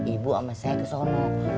ibu sama saya ke sana